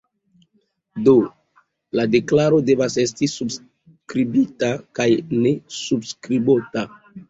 Do, la deklaro devas esti subskribita kaj ne subskribota.